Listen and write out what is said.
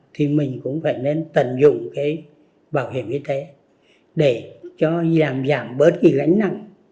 thì mình cũng phải nên tận dụng cái bảo hiểm y tế để cho giảm giảm bớt cái gánh nặng